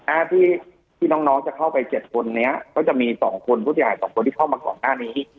ก่อนหน้าที่น้องจะเข้าไป๗คนนี้ก็จะมี๒คนผู้เสียหาย๒คนที่เข้ามาก่อนหน้านี้